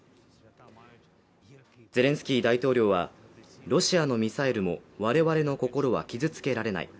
ゼレンスキー大統領はロシアのミサイルも我々の心は傷つけられない